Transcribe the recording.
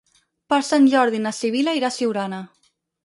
Per Sant Jordi na Sibil·la irà a Siurana.